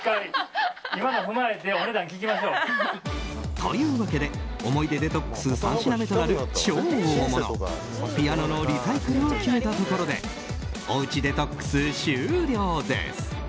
というわけで思い出デトックス３品目となる超大物ピアノのリサイクルを決めたところでおうちデトックス終了です。